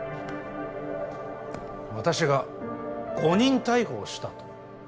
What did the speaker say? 私が誤認逮捕をしたと？